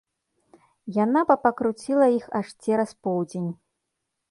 Яна папакруціла іх аж цераз поўдзень.